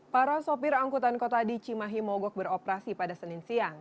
para sopir angkutan kota di cimahi mogok beroperasi pada senin siang